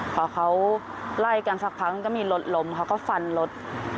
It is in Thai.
พอเขาไล่กันสักพักก็มีรถล้มเขาก็ฟันรถ